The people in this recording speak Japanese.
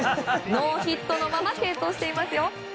ノーヒットのまま継投していますよ。